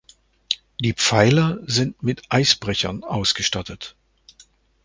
Die Pfeiler sind mit Eisbrechern ausgestattet.